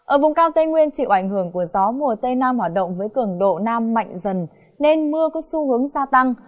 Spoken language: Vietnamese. ở vùng cao tây nguyên chịu ảnh hưởng của gió mùa tây nam hoạt động với cường độ nam mạnh dần nên mưa có xu hướng gia tăng